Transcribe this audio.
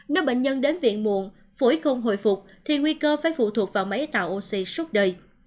nếu bệnh nhân đến viện muộn phổi không hồi phục thì nguy cơ phải phụ thuộc vào máy tạo oxy suốt đời